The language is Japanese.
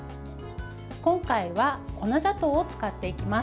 今回は粉砂糖を使っていきます。